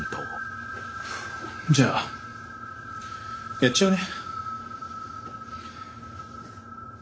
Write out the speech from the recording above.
じゃあやっちゃうね。